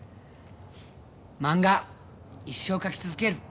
まんが一生描き続ける。